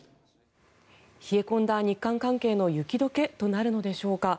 冷え込んだ日韓関係の雪解けとなるのでしょうか。